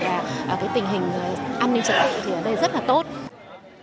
và tình hình an ninh trật tự ở đây rất là tốt